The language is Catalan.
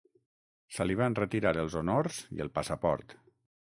Se li van retirar els honors i el passaport.